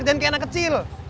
jangan kayak anak kecil